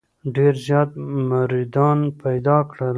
ډېر زیات مریدان پیدا کړل.